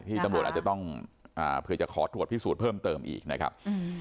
ตำรวจอาจจะต้องเผื่อจะขอตรวจพิสูจน์เพิ่มเติมอีกนะครับ